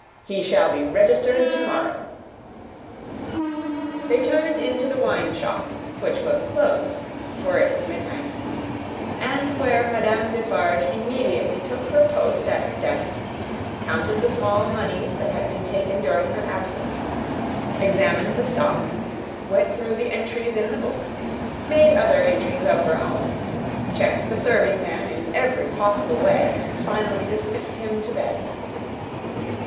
"He shall be registered to morrow." They turned into the wine shop, which was closed (for it was midnight), and where Madame Defarge immediately took her post at her desk, counted the small moneys that had been taken during her absence, examined the stock, went through the entries in the book, made other entries of her own, checked the serving man in every possible way, and finally dismissed him to bed.